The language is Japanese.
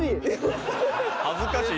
恥ずかしい？